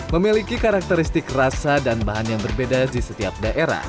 memiliki karakteristik rasa dan bahan yang berbeda di setiap daerah